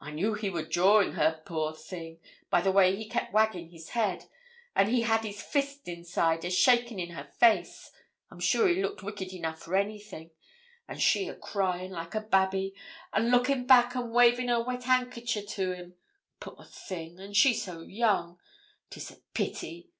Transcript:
'I knew he wor jawing her, poor thing! By the way he kep' waggin' his head an' he had his fist inside, a shakin' in her face I'm sure he looked wicked enough for anything; an' she a crying like a babby, an' lookin' back, an' wavin' her wet hankicher to him poor thing! and she so young! 'Tis a pity.